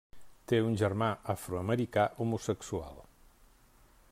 Té un germà afroamericà homosexual.